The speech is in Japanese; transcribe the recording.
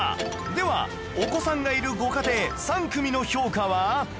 ではお子さんがいるご家庭３組の評価は？